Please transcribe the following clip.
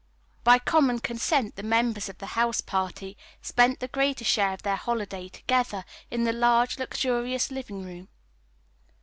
By common consent the members of the house party spent the greater share of their holiday together in the large, luxurious living room.